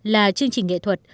là chương trình nghệ thuật